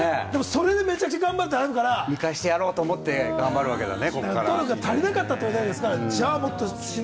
それでめちゃくちゃ頑張ろう見返してやろうって、頑張るわけだね。